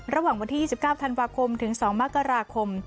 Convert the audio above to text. ระหว่างวันที่๒๙ธันวาคมถึง๒มกราคม